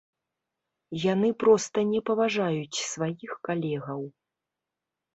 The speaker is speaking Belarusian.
Яны проста не паважаюць сваіх калегаў.